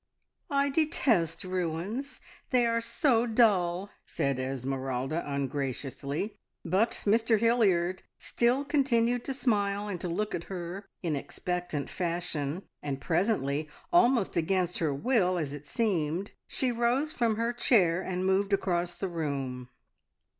"I detest ruins; they are so dull," said Esmeralda ungraciously; but Mr Hilliard still continued to smile and to look at her in expectant fashion, and presently, almost against her will, as it seemed, she rose from her chair and moved across the room.